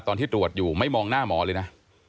ตอนที่ตรวจอยู่ไม่มองหน้าหมอเลยนะ